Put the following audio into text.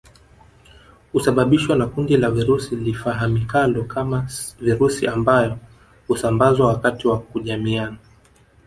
Husababishwa na kundi la virusi lifahamikalo kama virusi ambao husambazwa wakati wa kujamiiana